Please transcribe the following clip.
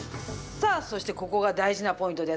さあそしてここが大事なポイントです。